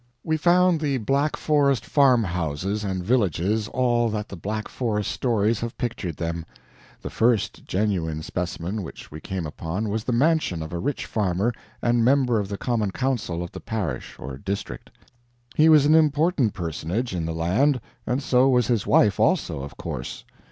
We found the Black Forest farmhouses and villages all that the Black Forest stories have pictured them. The first genuine specimen which we came upon was the mansion of a rich farmer and member of the Common Council of the parish or district. He was an important personage in the land and so was his wife also, of course.